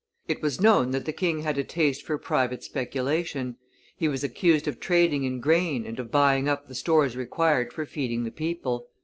It was known that the king had a taste for private speculation; he was accused of trading in grain and of buying up the stores required for feeding the people.